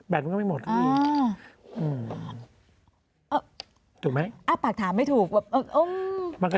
แบตมันก็ไม่หมดอ้าวอ้าวถูกไหมอ้าวปากถามไม่ถูกแบบอ้าวมันก็